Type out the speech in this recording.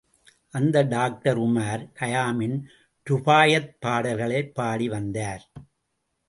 அந்த doctor, Omar கயாமின் Rubaiyat பாடல்களைப் பாடிவந்தார்.